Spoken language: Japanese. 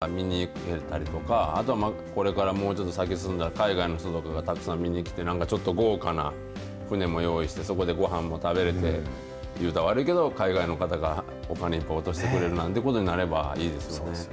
子どもたち、学校で、なんか見に行ったりとか、あとはこれからもうちょっと先へ進んだら、海外の人とかがたくさん見に来て、なんかちょっと豪華な船も用意して、そこでごはんも食べれて、言うたら悪いけど、海外の方が、お金いっぱい落としてくれるなんてことになれば、いいですよね。